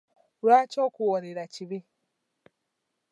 Lwaki okuwoolera kibi?